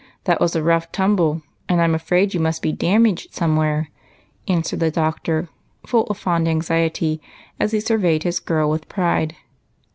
That was a rough tumble, and I'm afraid you must be damaged some where," answered the Doctor, full of fond anxiety, as he surveyed his girl with pride.